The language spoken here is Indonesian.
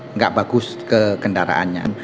nggak bagus ke kendaraannya